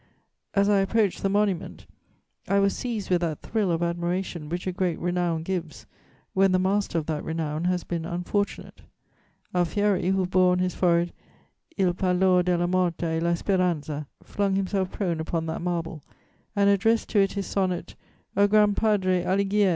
As I approached the monument, I was seized with that thrill of admiration which a great renown gives, when the master of that renown has been unfortunate. Alfieri, who bore on his forehead il pallor della morta e la speranza, flung himself prone upon that marble and addressed to it his sonnet, _O gran Padre Alighier!